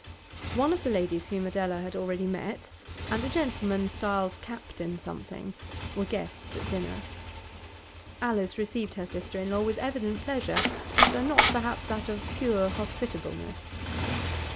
One of the ladies whom Adela had already met, and a gentleman styled Captain something, were guests at dinner. Alice received her sister in law with evident pleasure, though not perhaps that of pure hospitableness.